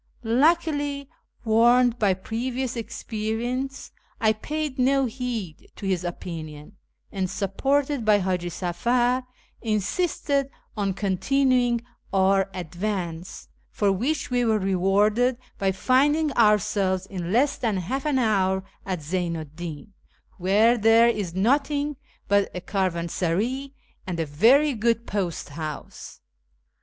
Luckily, warned by previous experience, I paid no heed to his opinion, and, supported by H;iji Safar, insisted on continuing our advance, for which we were rewarded by (iiidiiig ourselves in less tlian half an hour at Zeynu 'd i)iu, where there is nothing but a caravansaray and a very good post house.